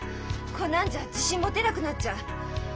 こんなんじゃ自信持てなくなっちゃう。